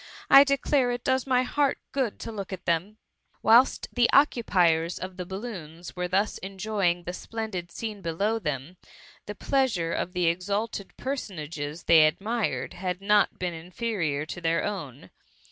I declare it does my heart good to look at them T Whilst the occupiers of the balloons were thus enjoying the splendid scene below them, the pleasure of the exalted personages they admired, had not been inferior to th^r own.